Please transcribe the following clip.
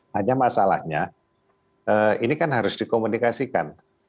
hanya masalahnya ini kan harus dikomunikasikan